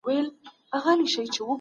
که ته ظلم وکړې، پايله به ووينې.